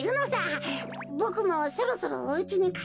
ボクもそろそろおうちにかえらなくちゃ。